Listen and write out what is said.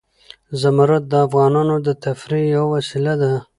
زمرد د افغانانو د تفریح یوه وسیله ده.